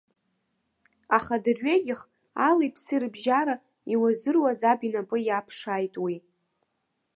Аха адырҩегьх, алеи-ԥси рыбжьара, иуазыруаз аб инапы иаԥшааит уи.